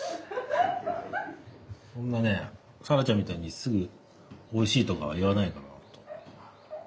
そんなね咲来ちゃんみたいにすぐおいしいとか言わないからほんと。